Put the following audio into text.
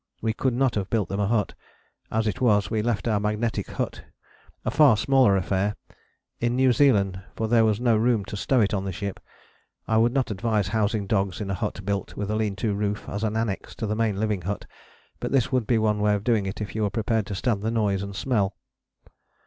We could not have built them a hut; as it was, we left our magnetic hut, a far smaller affair, in New Zealand, for there was no room to stow it on the ship. I would not advise housing dogs in a hut built with a lean to roof as an annexe to the main living hut, but this would be one way of doing it if you are prepared to stand the noise and smell.